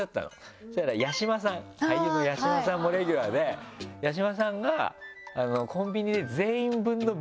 そしたら八嶋さん俳優の八嶋さんもレギュラーで八嶋さんがコンビニで。